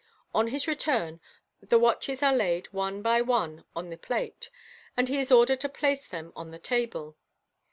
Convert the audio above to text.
On his return, the watches are laid one by one on the plate, and he is ordered to place them on the table.